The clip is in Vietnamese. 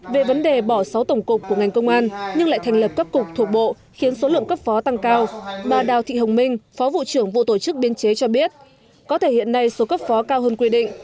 về vấn đề bỏ sáu tổng cục của ngành công an nhưng lại thành lập cấp cục thuộc bộ khiến số lượng cấp phó tăng cao bà đào thị hồng minh phó vụ trưởng vụ tổ chức biên chế cho biết có thể hiện nay số cấp phó cao hơn quy định